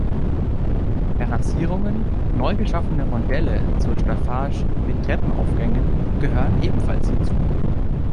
Terrassierungen, neu geschaffene Rondelle zur Staffage mit Treppenaufgängen gehören ebenfalls hierzu.